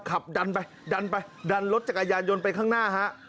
ขับดันไปดันไปดันรถจักรยานยนต์ไปข้างหน้าฮะ